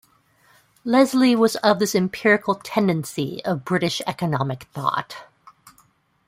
Leslie was of this empirical tendency of British economic thought.